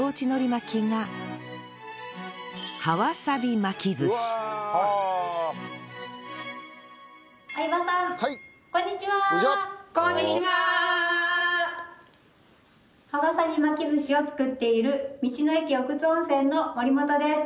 巻き寿司を作っている道の駅奥津温泉の森本です。